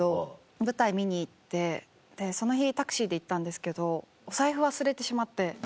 舞台見に行ってその日タクシーで行ったんですけどお財布忘れてしまって。